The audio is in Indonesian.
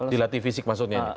dilatih fisik maksudnya